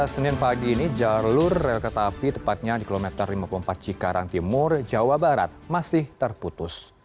senin pagi ini jalur rel kereta api tepatnya di kilometer lima puluh empat cikarang timur jawa barat masih terputus